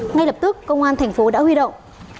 ngay lập tức công an tp đã huy động